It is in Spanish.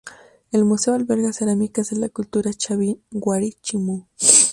El museo alberga cerámicas de la cultura Chavín, Wari, Chimú.